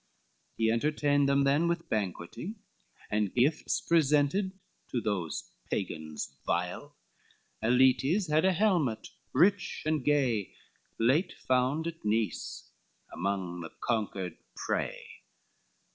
He entertained them then with banqueting, And gifts presented to those Pagans vile; Aletes had a helmet, rich and gay, Late found at Nice among the conquered prey.